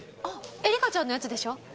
あっエリカちゃんのやつでしょ？